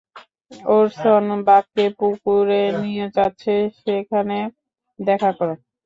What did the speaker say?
Orson বাককে পুকুরে নিয়ে যাচ্ছে, সেখানে দেখা করো।